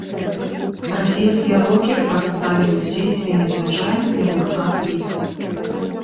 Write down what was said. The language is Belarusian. Расійскія рокеры прадставілі ў сеціве незвычайны для гурта кліп.